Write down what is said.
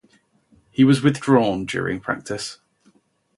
He was withdrawn during practice.